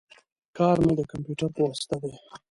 کار می د کمپیوټر په واسطه دی